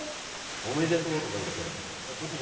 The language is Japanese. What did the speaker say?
おめでとうとか言って。